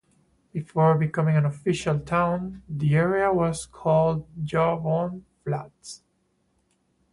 Before becoming an official town, the area was called Jawbone Flats.